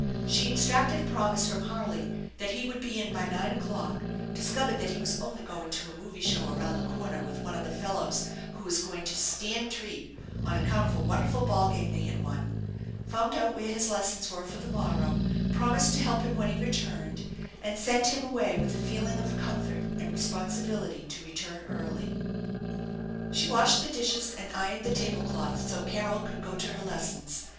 She extracted a promise from Harley that he would be in by nine o'clock, discovered that he was only going to a "movie" show around the corner with one of the fellows who was going to " stand treat" on account of a wonderful ball game they had won, found out where his lessons were for the morrow, promised to help him when he returned, and sent him away with a feeling of comfort and responsibility to return early. She washed the dishes and ironed the table THE ENCHANTED BARN 39 cloth so Carol could go to her lessons.